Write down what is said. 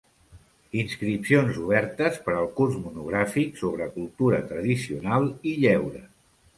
Inscripcions obertes per al Curs monogràfic sobre Cultura Tradicional i Lleure.